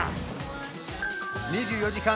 ２４時間